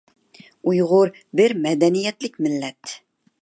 ئۇيغۇر بىر مەدەنىيەتلىك مىللەت.